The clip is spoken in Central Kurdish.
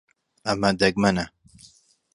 ئەمە دەگمەنە.